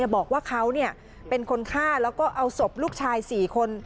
บอกว่าเขาเป็นคนฆ่าแล้วก็เอาศพลูกชาย๔คน